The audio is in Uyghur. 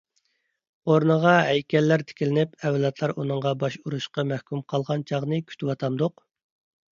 ئورنىغا ھەيكەللەر تىكلىنىپ ئەۋلاتلار ئۇنىڭغا باش ئۇرۇشقا مەھكۇم قالغان چاغنى كۈتىۋاتامدۇق؟!